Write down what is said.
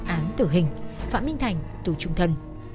án tử hình phạm minh thành tù trung thân